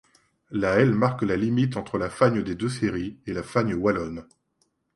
La Helle marque la limite entre la Fagne des Deux-Séries et la Fagne wallonne.